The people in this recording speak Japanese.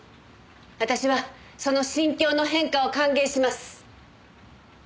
私はその心境の変化を歓迎します。